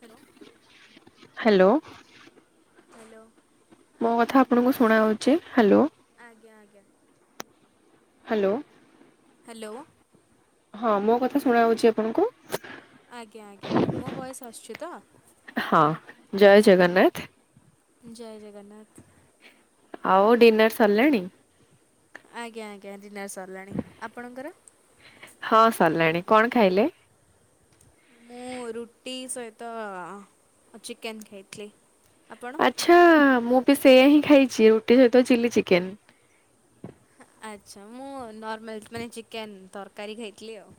Hello hello. Hello. ମୋ ଆଜ୍ଞା କଥା ଆପଣଙ୍କୁ ଭଏସ୍ ଶୁଣା ହଉଛି ହ୍ୟାଲୋ। ଆଜ୍ଞା ଆଜ୍ଞା ହ୍ୟାଲୋ। ହ୍ୟାଲୋ। ହଁ ମୋ କଥା ଶୁଣା ହଉଛି ଆପଣଙ୍କୁ। ଆଜ୍ଞା ଆଜ୍ଞା ମୋ ଭଏସ ଆସୁଛି ତ? ହଁ ଜୟ ଜଗନ୍ନାଥ। ଜୟ ଜଗନ୍ନାଥ। ଆଉ ଡିନର୍ ସରିଲାଣି। ଆଜ୍ଞା ଆଜ୍ଞା ଡିିନର୍ ସରିଲାଣି ଆପଣଙ୍କର? ହଁ ସରିଲାଣି କଣ ଖାଇଲେ? ମୁଁ ରୁଟି ସହିତ ଚିକେନ ଖାଇଥିଲି। ଆପଣ ଆଚ୍ଛା ମୁଁ ବି ସେଆ ହିଁ ଖାଇଛି ରୁଟି ସହିତ ଚିଲି ଚିକେନ। ଆଛା ମୁଁ ନର୍ମାଲ ମାନେ ଚିକେନ ତରକାରୀ ଖାଇଥିଲି ଆଉ।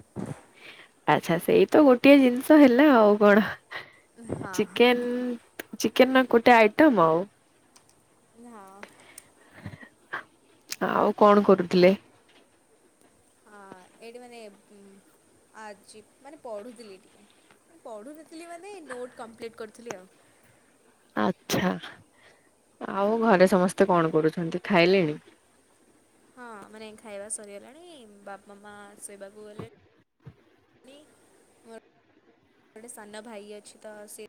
ଆଚ୍ଛା ସେଇ ତ ଗୋଟିଏ ଜିନିଷ ହେଲା ଆଉ କଣ, ହଁ ହଁ। ଚିକେନ ଚିକେନ ନାଁ ଗୋଟେ ଆଇଟମ୍ ଆଉ। ହଁ। ଆଉ କଣ କରୁଥିଲେ? ହଁ ଏଇଠି ମାନେ ଆଜି ମାନେ ପଢୁଥିଲି ଟିକେ। ପଢୁନଥିଲି ମାନେ ନୋଟ କମ୍ପ୍ଲିଟ କରୁଥିଲି ଆଉ। ଆଛା। ଆଉ ଘରେ ସମସ୍ତେ କଣ କରୁଛନ୍ତି? ଖାଇଲେଣି? ହଁ ମାନେ ଖାଇବା ସରିଗଲାଣି, ବାପା ମା ଶୋଇବାକୁ ଗଲେଣି। କି ମୋର ଗୋଟେ ସାନଭାଇ ଅଛି ତ ସେ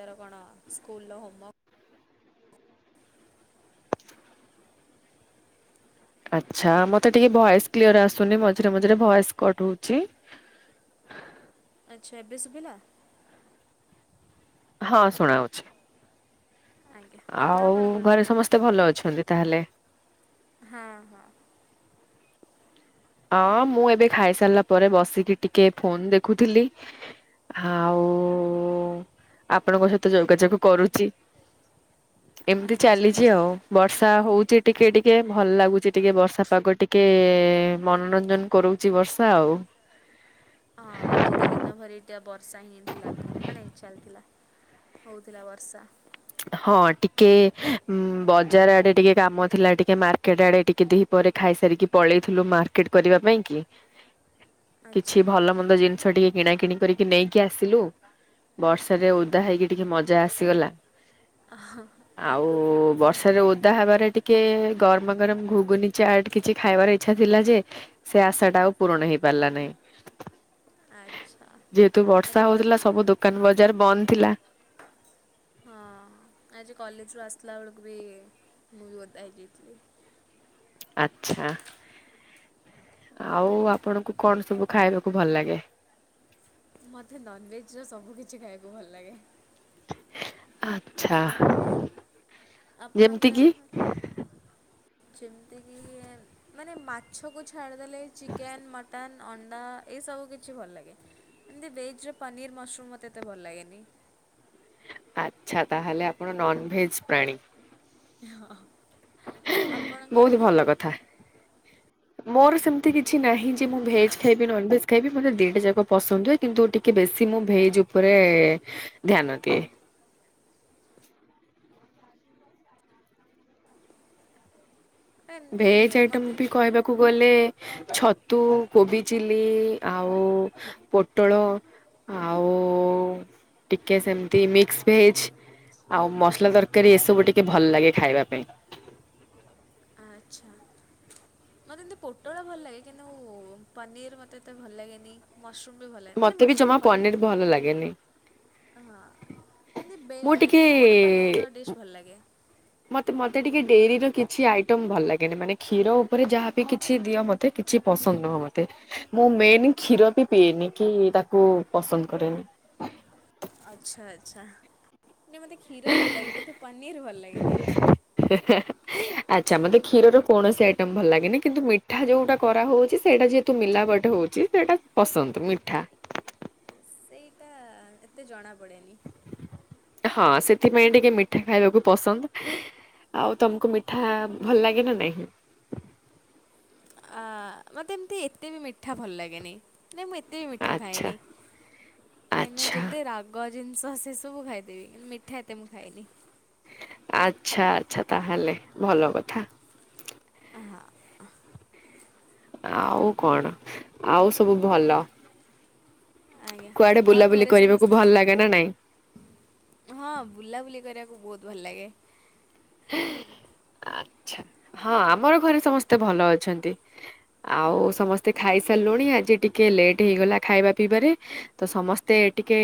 ତାର କଣ ସ୍କୁଲର ହୋମ୍ୱର୍କ୍ ଆଛା। ମତେ ଟିକେ ଭଏସ କ୍ଲିୟର ଆସୁନି ମଝିରେ ମଝିରେ ଭଏସ କଟ ହଉଛି। [inaudible] ଆଚ୍ଛା, ଏବେ ଶୁଭିଲା? ହଁ ଶୁଣାଉଛି। ଆଜ୍ଞା ଆପଣ ଆଉ କଣ ଘରେ କରୁଥିଲେ ସମସ୍ତେ ଭଲ ଅଛନ୍ତି ତାହେଲେ? ହଁ ହଁ ଓ ମୁଁ ଏବେ ଖାଇସାରିଲା ପରେ ବସିକି ଟିକେ ଫୋନ ଦେଖୁଥିଲି। ଆଉ ଆପଣଙ୍କ ସହିତ ଯୋଗାଯୋଗ କରୁଛି। ଏମତି ଆଚ୍ଛା ଚାଲିଛି ଆଚ୍ଛା ଆଉ। ବର୍ଷା ହଉଛି ଟିକେ ଟିକେ ଭଲ ଲାଗୁଛି ଟିକେ ବର୍ଷା ପାଗ ଟିକେ ମନୋରଞ୍ଜନ କରଉଛି ବର୍ଷା ଆଉ। ହଁ ଆଜି ତ ଦିନ ଭରି ଟା ବର୍ଷା ହିଁ ହେଇଥିଲା କି ମାନେ ଚାଲି ଥିଲା। ହଉଥିଲା ବର୍ଷା। ହଁ ଟିକେ ବଜାର ଆଡେ ଟିକେ କାମ ଥିଲା ଟିକେ ମାର୍କେଟ ଆଡେ ଟିକେ ଦିପ ଖାଇସାରିକି ପଳେଇଥିଲୁ ମାର୍କେଟ କରିବା ପାଇଁ କି। ଆଚ୍ଛା କିଛି ଭଲମନ୍ଦ ଜିନିଷ ଟିକେ କିଣାକିଣି କରିକି ନେଇକି ଆସିଲୁ, ବର୍ଷାରେ ଓଦା ହେଇକି ଟିକେ ମଜା ଆସିଗଲା। ହଁ, ଆଉ ବର୍ଷା ଓଦା ହବାରେ ଟିକେ ଗରମା ଗରମ ଘୁଗୁନି ଚାଟ କିଛି ଖାଇବାର ଇଚ୍ଛା ଥିଲା ଯେ ଆଶା ଟା ଆଉ ପୂରଣ ହେଇପାରିଲା ନାହିଁ। ଆଚ୍ଛା ଯେହେତୁ ଆଜି ବର୍ଷା ହଉଥିଲା କଲେଜ ସବୁ ଦୋକାନ ବଜାର ବନ୍ଦ ଥିଲା। ହଁ ଆଜି କଲେଜରୁ ଆସିଲା ବଳକୁ ବି ମୁଭି ଓଦା ହେଇଯାଇଥିଲି। ଆଚ୍ଛା। ଆଉ ଆପଣଙ୍କୁ କଣ ସବୁ ଖାଇବାକୁ ଭଲ ଲାଗେ? ମତେ ନନଭେଜ ର ସବୁ କିଛି ଖାଇବାକୁ ଭଲ ଲାଗେ। ଆଚ୍ଛା। ଯେମତି କି- ଯେମତି କିି ମାନେ ମାଛକୁ ଛାଡିଦେଲେ ଚିକେନ ମଟନ ଅଣ୍ଡା ଏଇସବୁ କିଛି ଭଲ ଲାଗେ। ଏମତି ଭେଜ ରେ ପନିର୍ ମସରୁମ ମତେ ଏତେ ଭଲ ଲାଗେନି। ଆଚ୍ଛା ତାହେଲେ ଆପଣ ନନଭେଜ ପ୍ରାଣୀ। ହଁ। ବହୁତ ଭଲ କଥା। ମୋର ସେମିତି କିଛି ନାହିଁ ଯେ ମୁଁ ଭେଜ୍ ଖାଇବି ନନ ଭେଜ୍ ଖାଇବି ମତେ ଦିଟା ଯାକ ପସନ୍ଦ ହୁଏ। କିନ୍ତୁ ଟିକେ ବେଶୀ ମୁଁ ଭେଜ ଉପରେ ଧ୍ୟାନ ଦିଏ। ଏମିତି ଭେଜ ଆଇଟମ ମୋତେ ବି କହିବାକୁ ଗଲେ ଛତୁ, କୋବି ଚିଲି, ଆଉ ପୋଟଳ ଆଉ ଟିକେ ସେମତି ମିକ୍ସ ଭେଜ ଆଉ ମସଲା ତରକାରୀ ଏସବୁ ଟିକେ ଭଲ ଲାଗେ ଖାଇବା ପାଇଁ। ଆଚ୍ଛା। ମତେ ଏମିତି ପୋଟଳ ଭଲ ଲାଗେ। କିନ୍ତୁ ପନିର ମତେ ଏତେ ଭଲ ଲାଗେନି। ମସରୁମ୍ ବି ଭଲ ଲାଗେ ମାନେ ମତେ ବି ମସରୁମ୍ ଜମା ଭଲ ପନିର ଭଲ ଲାଗେନି। ହଁ ଏମତି ମୁଁ ବେଳେ ବେଳେ କଉ ଗୋଟେ ପନିର ଟିକେ ର ଡିସ୍ ଭଲ ଲାଗେ। ମତେ ମତେ ଟିକେ ଡେରି ର କିଛି ଆଇଟମ ଭଲ ଲାଗେନି। ମାନେ କ୍ଷୀର ଉପରେ ଯାହାବି କିଛି ଦିଅ ମତେ କି ଛି ପସନ୍ଦ ନୁହଁ ମତେ ମୁଁ ମେନ୍ କ୍ଷୀର ବି ପିଏନି କି ତାକୁ ପସନ୍ଦ କରେନି। [inaudible] ଆଚ୍ଛା ଆଚ୍ଛା। ମାନେ ମତେ କ୍ଷୀର ଭଲ ଲାଗେ କିନ୍ତୁ ପନିର ଭଲ ଲାଗେନି। ଆଚ୍ଛା ମତେ କ୍ଷୀର ର କୌଣସି ଆଇଟମ ଭଲ ଲାଗେନି। କିନ୍ତୁ ମିଠା ଯୋଉଟା କରା ହଉଚି ସେଇଟା ଯେହେତୁ ମିଲା ବଟ ହଉଚି ସେଟା ପସନ୍ଦ ମିଠା। ସେଇଟା ଏତେ ଜଣା ପଡେ ହଁ ସେଥିପାଇଁ ଟିକେ ମିଠା ଖାଇବାକୁ ପସନ୍ଦ। ଆଉ ତମକୁ ମିଠା ଭଲ ଲାଗେ ନା ନାହିଁ? ଆ ମତେ ଏମତି ଏତେ ବି ମିଠା ଭଲ ଲାଗେନି। ନାଇଁ ମୁଁ ଏତେ ବି ମିଠା ଆଚ୍ଛା ଖାଏନି। ଏ ନାଇଁ ଆଚ୍ଛା ଯେତେ ରାଗ ଜିନିଷ ସେ ସବୁ ଖାଇଦେବି। କିନ୍ତୁ ମିଠା ଏତେ ମୁଁ ଖାଇନି। ଆଚ୍ଛା ଆଚ୍ଛା ତାହାଲେ ଭଲ କଥା। ଆ ହଁ। ଆଉ କଣ ଆଉ ସବୁ ଭଲ। ଆଜ୍ଞା କୁଆଡେ ଆଉ ବୁଲାବୁଲି ଘରେ କରିବାକୁ ସମସ୍ତେ। ଭଲ ଲାଗେ ନା ନାଇଁ? ହଁ ବୁଲାବୁଲି କରିବାକୁ ବହୁତ ଭଲ ଲାଗେ। ଆଚ୍ଛା। ହଁ ଆମର ଘରେ ସମସ୍ତେ ଭଲ ଅଛନ୍ତି। ଆଉ ସମସ୍ତେ ଖାଇସାରିଲୁଣି। ଆଜି ଟିକେ ଏ ଲେଟ୍ ହେଇଗଲା ଖାଇବା ପିଇବାରେ ତ ସମସ୍ତେ ଟିକେ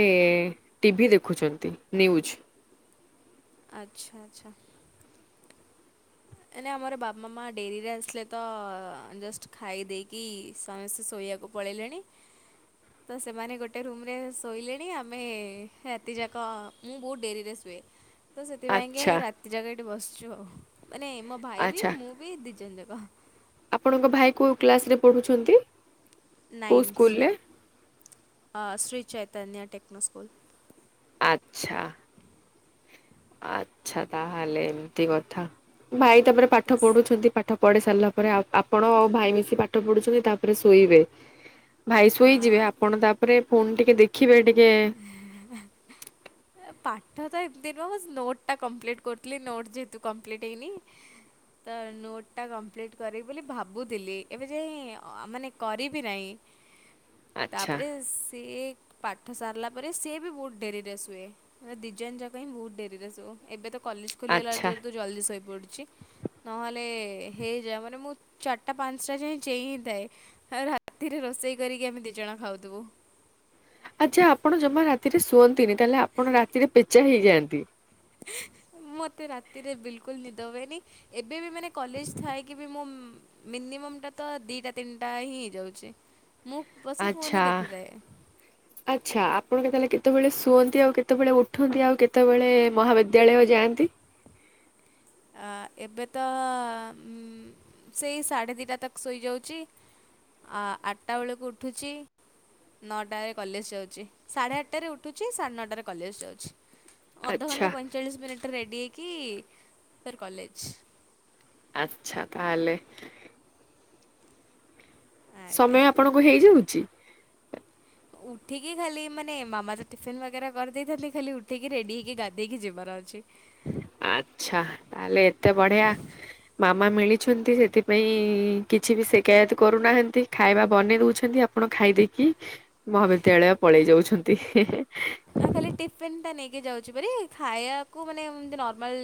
ଟିଭି ଦେଖୁଚନ୍ତି। ନ୍ୟୁଜ। ଆଚ୍ଛା ଆଚ୍ଛା। ନାଇଁ ଆମର ବାବା ମାଆ ଡେରିରେ ଆସିଲେ ତ ଜଷ୍ଟ ଖାଇ ଦେଇକି ସମସ୍ତେ ଶୋଇ ଆକୁ ପଳେଇଲେଣି। ତ ସେମାନେ ଗୋଟେ ରୁମରେ ଶୋଇଲେଣି। ଆମେ ରାତି ଯାକ ମୁଁ ବହୁତ ଡେରିରେ ଶୁଏ। ହୁଏ ତ ସେଥିପାଇଁକି ଆଚ୍ଛା ରାତି ଯାକ ଏଇଠି ବସିଛୁ ଆଉ। ମାନେ ମୋ ଭାଇ ବି ଆଚ୍ଛା ମୁଁ ବି ଦିଜଣ ଯାକ। ବାଃ। ଆପଣଙ୍କ ଭାଇ କୋଉ କ୍ଲାସରେ ପଢୁଛନ୍ତି? କୋଉ ନାଇନ୍ଥ ସ୍କୁଲରେ ତାର ଆ ଶ୍ରୀ ଚୈତନ୍ୟ ଟେକ୍ନୋ ସ୍କୁଲ। ଆଚ୍ଛା। ଆଚ୍ଛା ତାହେଲେ ଏମିତି କଥା। ଭାଇ ତା ପରେ ପାଠ ଦସ୍ ପଢୁଛନ୍ତି ପାଠ ପଢି ସାରିଲା ପରେ ଆଉ ଆପଣ ଆଉ ଭାଇ ମିଶି ପାଠ ପଢୁଛନ୍ତି, ତା ପରେ ଶୋଇବେ। ଭାଇ ଆ ଶୋଇଯିବେ। ଆପଣ ତା ପରେ ଫୋନ ଟିକେ ଦେଖିବେ ଟିକେ ଏ ପାଠ ତ ଏମିତି ନୁହଁ ନୋଟ ଟା କମ୍ପ୍ଲିଟ କରୁଥିଲି। ନୋଟ ଯେହେତୁ କମ୍ପ୍ଲିଟ ହେଇନି। ତ ନୋଟଟା କମ୍ପ୍ଲିଟ କରିବି ବୋଲି ଭାବୁଥିଲି। ଏବେ ଯାଇ ମାନେ କରିବି ନାହିଁ। ତା ଆଚ୍ଛା ପରେ ସିଏ ପାଠ ସାରିଲା ପରେ ସିଏ ବି ବହୁତ ଡେରିରେ ଶୁଏ। ଏଁ ଦି ଜଣ ଯାକ ହିଁ ବହୁତ ଡେରିରେ ଶୋଉ। ଏବେ ତ କଲେଜ ଖୋଲିଗଲା ଆଚ୍ଛା ଯେହେତୁ ଜଲ୍ଦି ଶୋଇପଡୁଚି। ନହେଲେ ହେଇଯାଏ ମାନେ ମୁଁ ଚାରଟା ପାଞ୍ଚଟା ଯାଏ ଚେଇଁ ହିଁ ଥାଏ। ଏ ରାତିରେ ର ରୋଷେଇ କରିକି ଆମେ ଦିଜଣ ଖାଉଥିବୁ। ଆଚ୍ଛା ଆପଣ ଜମା ରାତିରେ ଶୁଅନ୍ତିନି। ତାହାଲେ ଆପଣ ରାତିରେ ପେଚା ହେଇଯାଆନ୍ତି। ମତେ ରାତିରେ ବିଲକୁଲ ନିଦ ହୁଏନି। ଏବେ ବି ମାନେ କଲେଜ ଥାଇକି ବି ମୁଁ ମିନି ମମ ଟା ତ ଦିଟା ତିନିଟା ହିଁ ହେଇଯାଉଚି। ଆଚ୍ଛା ଆଚ୍ଛା ଆପଣଙ୍କୁ ତାହେଲେ କେ କେତେବେଳେ ଶୁଅନ୍ତି ଆଉ କେତେବେଳେ ଉଠନ୍ତି ଆଉ କେତେବେଳେ ମହାବିଦ୍ୟାଳୟ ଯାଆନ୍ତି? ଆ ଏବେ ତ ଉଁ ସେଇ ସାଢ଼େ ଦିଟା ତକ ଶୋଇଯାଉଚି। ଆ ଆଠଟା ବେଳକୁ ଉଠୁଛି। ନଅଟାରେ କଲେଜ ଯାଉଛି, ସାଢେ ଆଠଟାରେ ଉଠୁଛି, ସାଢେ ନଅଟାରେ କଲେଜ ଯାଉଛି। ଆଚ୍ଛା ଅଧଘଣ୍ଟା ପଇଁଚାଳିଶ ମିନିଟରେ ରେଡ଼ି ହେଇକି ଫେର କଲେଜ। ଆଚ୍ଛା ତାହାଲେ। ଆଜ୍ଞା ସମୟ ଆପଣଙ୍କୁ ହେଇଯାଉଛି। ଉଠିକି ଖାଲି ମାନେ ମାମା ତ ଟିଫିିନ ବଗେରା କରିଦେଇଥାନ୍ତି। ଖାଲି ଉଠିକି ରେଡି ହେଇକି ଗାଧେଇକି ଯିବାର ଅଛି। ଆଛା, ତାହେଲେ ଏତେ ବଢିଆ ମାମା ମିଳି ସେଥିପାଇଁ କିଛି ବି ସିକାୟତ କରୁନାହାନ୍ତି। ଖାଇବା ବନେଇ ଦେଉଛନ୍ତି। ଆପଣ ଖାଇଦେଇକି ମହାବିଦ୍ୟାଳୟ ପଳେଇ ଯାଉଛନ୍ତି। ନା ଖାଲି ଟିଫିନଟା ନେଇ ଯାଉଛି ଭାରି ଖାଇବାକୁ ମାନେ ଅତି ନର୍ମାଲ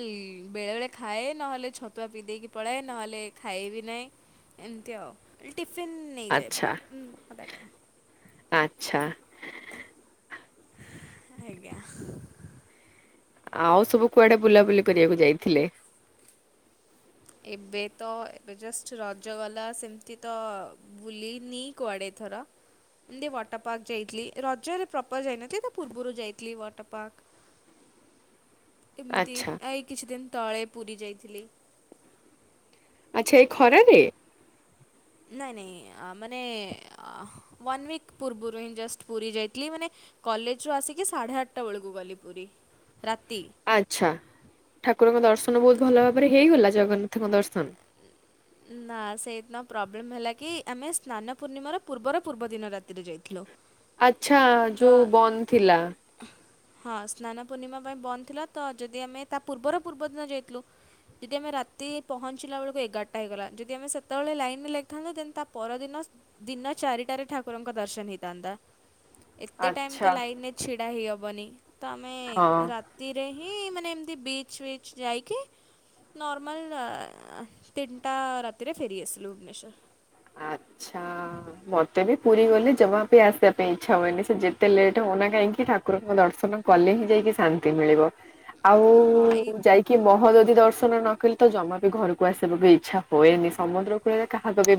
ବେଳେ ବେଳେ ଖାଏ ନହେଲେ ଛତୁଆ ପିଇ ଦେଇକି ପଳାଏ ନହେଲେ ଖାଇବି ନାହିଁ ଏମିତି ଆଉ ଟିଫିନ୍ ନେଇଯାଏ ବେଳବେଳେ। ଆଛା। ଆଜ୍ଞା। ଆଉ ସବୁ କୁଆଡେ ବୁଲାବୁଲି କରିବାକୁ ଯାଇଥିଲେ? ଏବେ ତ ଏବେ ଜଷ୍ଟ ରଜ ଗଲା ସେମିତି ତ ବୁଲିନି କୁଆଡେ। [unintelligible] ଏମିତି ୱାଟର ପାର୍କ ଯାଇଥିଲି ରଜରେ ପ୍ରପର ଯାଇନଥିଲି ତା ପୂର୍ବରୁ ଯାଇଥିଲି ୱାଟର ପାର୍କ। [unintelligible] ଏମିତି ଆଚ୍ଛା ଏଇ କିଛି ଦିନ ତଳେ ପୁରୀ ଯାଇଥିଲି। ଆଚ୍ଛା ଏଇ ଖରାରେ? ନାଇଁ ନାଇଁ ମାନେ ୱାନ ୱିକ୍ ପୂର୍ବରୁ ହିଁ ଜଷ୍ଟ ପୁରୀ ଯାଇଥିଲି ମାନେ କଲେଜରୁ ଆସିକି ସାଢେ ଆଠଟା ବେଳକୁ ଗଲି ପୁରୀ। ରାତି ଆଚ୍ଛା, ଠାକୁରଙ୍କ ଦର୍ଶନ ବହୁତ ଭଲ ଭାବରେ ହେଇଗଲା ଜଗନ୍ନାଥ। ଦର୍ଶନ। ନା ସେଇଦିନ ପ୍ରୋବ୍ଲେମ ହେଲା କି ଆମେ ସ୍ନାନ ପୂର୍ଣ୍ଣିମାର ପୂର୍ବର ପୂର୍ବଦିନ ରାତି ଆଛା ଯୋଉ ବନ୍ଦ ଥିଲା। ହଁ ସ୍ନାନ ପୂର୍ଣ୍ଣିମା ପାଇଁ ବନ୍ଦ ଥିଲା ତ ଯଦି ଆମେ ତା ପୂର୍ବର ପୂର୍ବଦିନ ଯାଇଥିଲୁ। ଯଦି ଆମେ ରାତି ପହଞ୍ଚିଲା ବେଳକୁ ଏଗାରଟା ହେଇଗଲା ଯଦି ଆମେ ସେତେବେଳେ ଲାଇନ ରେ ଲାଗିଥାନ୍ତୁ ଦେନ ତା ପରଦିନ ଦିନ ଚାରିଟାରେ ଠାକୁରଙ୍କ ଦର୍ଶନ ହେଇ ହେଇ ଥାଆନ୍ତା। ଏତେ ଟାଇମ ଆଚ୍ଛା ତ ଲାଇନରେ ଛିଡା ହେଇହବନି ତ ଆମେ ହଁ। ରାତିରେ ହିଁ ମାନେ ଏମିତି ବିଚ୍ ବିିଚ୍ ଯାଇକି ନର୍ମାଲ ତିନଟା ରାତିରେ ଫେରି ଆସିଲୁ ଭୁବନେଶ୍ୱର। ଆଛା, ମୋତେ ବି ପୁରୀ ଗଲେ ଜମା ବି ଆସିବା ପାଇଁ ଇଛା ହୁନି ସେ ଯେତେ ଲେଟ୍ ହଉନା କହିଁକି ଠାକୁରଙ୍କ ଦର୍ଶନ କଲେ ହିଁ ଯାଇ ଶାନ୍ତି ମିଳିବ ଆଉ ହଁ ଏଇ ଯାଇକି ମହ ଯଦି ଦର୍ଶନ ନ କଲେ ତ ଜମା ବି ଘରକୁ ଆସିବାକୁ ଇଚ୍ଛା ହୁଏନି। ସମୁଦ୍ର କୂଳରେ କାହାକୁ ବି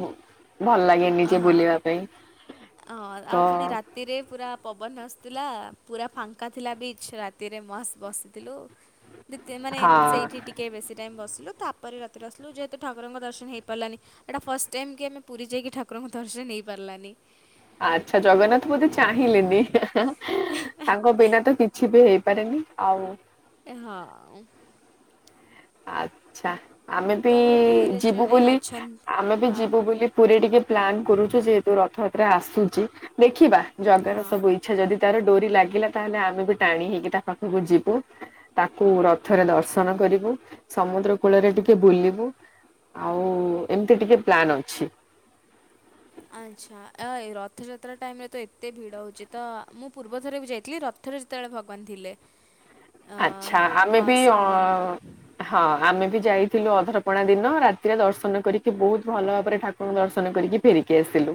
ଭଲ ଲାଗେନି ଯେ ଅହୋ ବୁଲିବା ପାଇଁ ଅ ତ ଆଉ ପୁଣି ରାତିରେ ପୁରା ପବନ ଥିଲା ପୁରା ଫାଙ୍କା ଥିଲା ବିଚ୍ ରାତିରେ ମସ୍ତ ବସିଥିଲୁ। ମାନେ ହଁ ସେଇଠି ଟିକେ ବେଶୀ ଟାଇମ ବସ। ତାପରେ ରାତିରେ ଆସିଲୁ, ଯେହେତୁ ଠାକୁରଙ୍କ ଦର୍ଶନ ହେଇପାରିଲାନି। ଏଇଟା ଫାଷ୍ଟ ଟାଇମ୍ କି ଆମେ ପୁରୀ ଯାଇକି ଠାକ ଙ୍କ ଦର୍ଶନ ହେଇ ପାରିଲାନି। ଆଚ୍ଛା, ଜଗନ୍ନାଥ ବୋଧେ ଚାହିଁଲେନି ତାଙ୍କ ବିନା ତ କିଛି ବି ହେଇ ପାରିନି ଆଉ। ଏ ହଁ। ଆଛା। ଆମେ ବି ତ ଆମର ପୁରୀରେ ଯିବୁ ଜଣେ ବୋଲି ଅଛନ୍ତି ଆମେ ବି ହଁ ଯିବୁ ବୋଲି ପୁରୀ ଟିକେ ପ୍ଲାନ୍ କରୁଛୁ ଯେହେତୁ ରଥ ଆସୁଛି ଦେଖିବା ଜଗାର ହଁ ସବୁ ଇଚ୍ଛା ଯଦି ତାର ଡୋରି ଲାଗିଲା ତାହେଲେ ଆମେ ବି ଟାଣି ହେଇକି ତା ପାଖକୁ ଯିବୁ, ତାକୁ ରଥରେ ଦର୍ଶନ କରିବୁ। ସମୁଦ୍ର କୂଳରେ ଟିକେ ବୁଲିବୁ, ଆଉ ଏମିତି ଟିକେ ପ୍ଲାନ ଅଛି। [inaudible] ଆଚ୍ଛା ଓ ଏ ରଥଯାତ୍ରା ଟାଇମ ରେ ତ ଏତେ ଭିଡ ହଉଛି ତ ମୁଁ ପୂର୍ବ ଥରେ ବି ଯାଇଥିଲି। ରଥରେ ଯେତେବେଳେ ଭଗବାନ ଥିଲେ। ଅ, ଆଛା। ଆମେ ବି ମାଉସୀ ଅ ମା ମନ୍ଦି ହଁ ଆମେ ବି ଯାଇଥିଲୁ ହଁ ଅଧରପଣା ଦିନ ରାତି ରେ ଦର୍ଶନ କରିକି ବହୁତ ଭଲ ଭାବରେ ଠାକୁରଙ୍କୁ ଦର୍ଶନ କରିକି ଫେରିକି ଆସିଲୁ।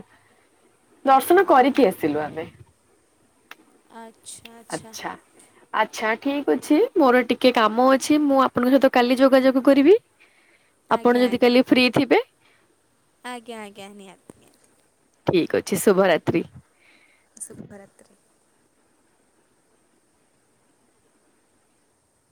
ଦର୍ଶନ କରିକି ହଁ ଆସିଲୁ ଆମେ। ଆଛା ଆଚ୍ଛା। ଆଚ୍ଛା ଠିକ ଅଛି ମୋର ଟିକେ କାମ ଅଛି ମୁଁ ଆପଣଙ୍କ ସହିତ କାଲି ଯୋଗାଯୋଗ କରିବି। ଆପଣ ଆଜ୍ଞା ଯଦି ଆଜ୍ଞା କାଲି ଫ୍ରି ଥିବେ ଆଜ୍ଞା ଆଜ୍ଞା ନିହାତି ନିହାତି। ଠିକ ଅଛି ଶୁଭରାତ୍ରି। ଶୁଭରାତ୍ରି।